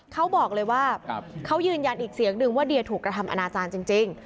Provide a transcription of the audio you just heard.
เขาบอกเลยว่าเขายืนยันอีกเสียงนึงว่าเดียถูกกระทำอนาจารย์จริง